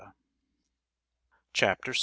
CHAPTER VI.